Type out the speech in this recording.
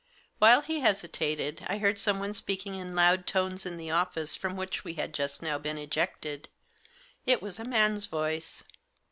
While he hesitated I heard someone speaking in loud tones in the office from which we had just now been ejected. It was a man's voice.